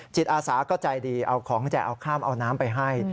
จิตอาสาก็ใจดีเอาของแจกเอาข้ามเอาน้ำไปให้